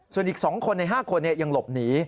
ส่วนอีก๒คนใน๕คนยังหลบหนี